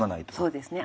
そうですね。